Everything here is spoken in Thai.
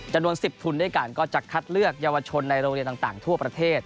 จำนวน๑๐ทุนด้วยกันก็จะคัดเลือกเยาวชนในโรงเรียนต่างทั่วประเทศ